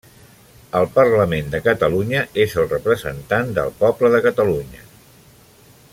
El Parlament de Catalunya és el representant del poble de Catalunya.